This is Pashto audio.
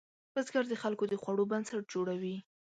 بزګر د خلکو د خوړو بنسټ جوړوي